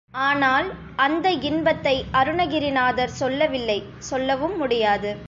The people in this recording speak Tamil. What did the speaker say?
ஆனால் அந்த இன்பத்தை அருணகிரிநாதர் சொல்லவில்லை சொல்லவும் முடியாது.